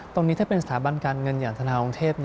ตรงนี้ถ้าเป็นสถาบันการเงินอย่างธนาองค์เทพ